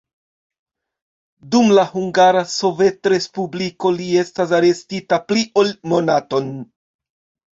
Dum la Hungara Sovetrespubliko li estis arestita pli ol monaton.